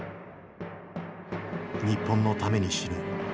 日本のために死ぬ。